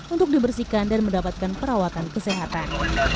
untuk dibersihkan dan mendapatkan perawatan kesehatan